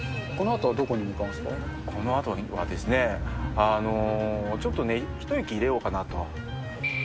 このあとは、ちょっとね、一息入れようかなと。